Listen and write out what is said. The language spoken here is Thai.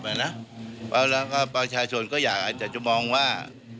แล้วก็ประชาชนก็อยากจะมองว่า